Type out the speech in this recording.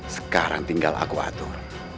sekarang tinggal aku atur